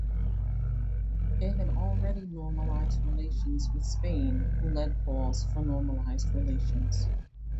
It had already normalised relations with Spain who led calls for normalised relations.